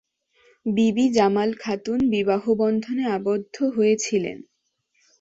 বিবি জামাল খাতুন বিবাহবন্ধনে আবদ্ধ হয়েছিলেন।